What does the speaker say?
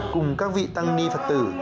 cùng các vị tăng ni phật tử